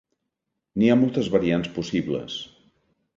N'hi ha moltes variants possibles.